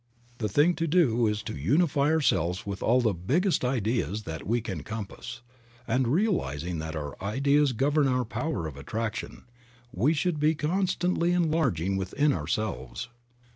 The thing to do is to unify ourselves with all the biggest ideas that we can compass; and realizing that our ideas govern our power of attraction, we should be con stantly enlarging within ourselves.